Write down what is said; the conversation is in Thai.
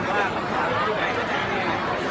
การรับความรักมันเป็นอย่างไร